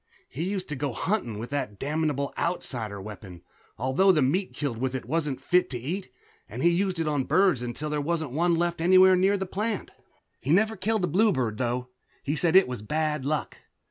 He used to go hunting with the damnable Outsider weapon, although the meat killed with it wasn't fit to eat, and he used it on birds until there wasn't one left anywhere near the plant. He never killed a bluebird, though. He said it was bad luck.